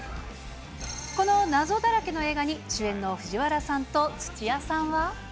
この謎だらけの映画に、主演の藤原さんと土屋さんは。